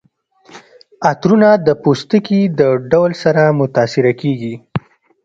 عطرونه د پوستکي د ډول سره متاثره کیږي.